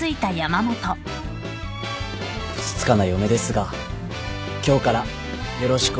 ふつつかな嫁ですが今日からよろしくお願いします。